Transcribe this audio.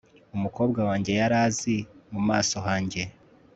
Umukobwa wanjye yari azi mu maso hanjye